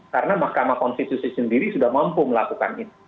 karena makam konstitusi sendiri sudah mampu melakukan itu